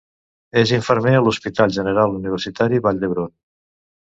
És infermer a l'Hospital General Universitari Vall d'Hebron.